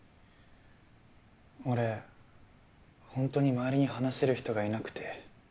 俺ほんとに周りに話せる人がいなくて。